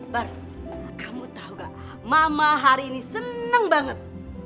bar kamu tau gak mama hari ini seneng banget